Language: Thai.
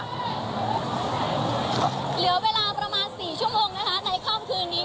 เหลือเวลาประมาณ๔ชั่วโมงนะคะในค่ำคืนนี้